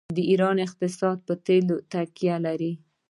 د ایران اقتصاد په تیلو تکیه لري.